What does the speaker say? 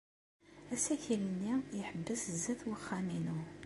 Asakal-nni iḥebbes sdat uxxam-inu.